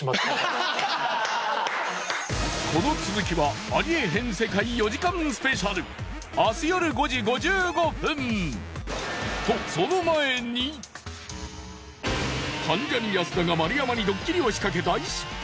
この続きは『ありえへん世界』４時間スペシャル関ジャニ安田が丸山にドッキリを仕掛け大失敗。